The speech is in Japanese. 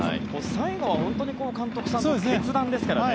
最後は本当に監督さんの決断ですからね。